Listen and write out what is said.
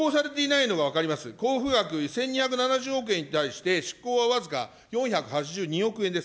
交付額１２７０億円に対して、しっこうは僅か４８２億円です。